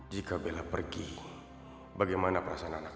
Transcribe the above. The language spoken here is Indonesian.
jika bella pergi bagaimana perasaan anak